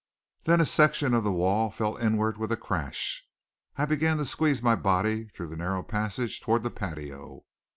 Then a section of the wall fell inward with a crash. I began to squeeze my body through the narrow passage toward the patio.